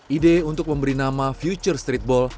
ide untuk memberi nama future streetball